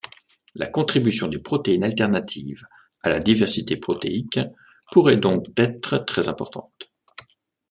La contribution des protéines alternatives à la diversité protéique pourrait donc être très importante.